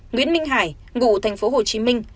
nguyễn minh hải ngụ thành phố hồ chí minh